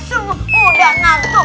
semua udah ngantuk